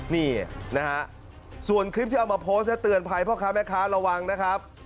นี่นะฮะส่วนคลิปที่เอามาโพสต์เตือนภัยพ่อค้าแม่ค้าระวังนะครับ